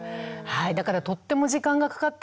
だからとっても時間がかかったんですよ。